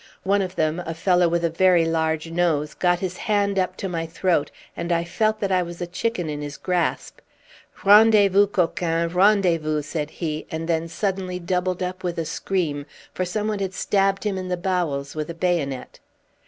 One of them, a fellow with a very large nose, got his hand up to my throat, and I felt that I was a chicken in his grasp. "Rendez vous, coqin; rendez vous!" said he, and then suddenly doubled up with a scream, for someone had stabbed him in the bowels with a bayonet.